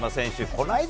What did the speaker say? この間